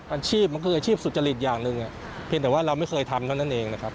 อาชีพมันคืออาชีพสุจริตอย่างหนึ่งเพียงแต่ว่าเราไม่เคยทำเท่านั้นเองนะครับ